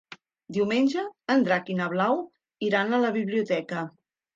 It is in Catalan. Diumenge en Drac i na Blau iran a la biblioteca.